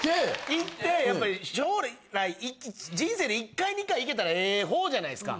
行ってやっぱり将来人生で１回２回行けたらええ方じゃないですか。